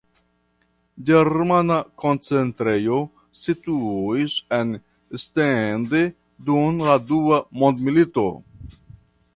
Germana koncentrejo situis en Stende dum la Dua Mondmilito.